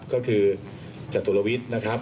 ก็คือจตุลวิทย์นะครับ